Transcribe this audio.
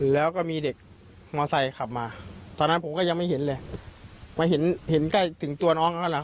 แล้วก็มีเด็กมอไซค์ขับมาตอนนั้นผมก็ยังไม่เห็นเลยมาเห็นเห็นใกล้ถึงตัวน้องเขาแล้วล่ะ